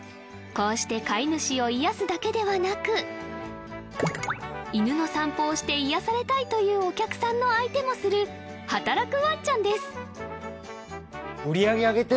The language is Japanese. こうして飼い主を癒やすだけではなく犬の散歩をして癒やされたいというお客さんの相手もする働くワンちゃんです